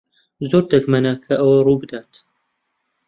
زۆر دەگمەنە کە ئەوە ڕوو بدات.